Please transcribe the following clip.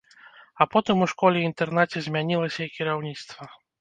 А потым у школе-інтэрнаце змянілася і кіраўніцтва.